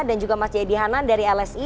dan juga mas jadi hanan dari lsi